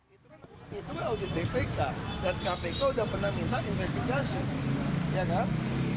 itu kan audit bpk dan kpk udah pernah minta investigasi